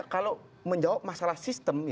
kalau menjawab masalah sistem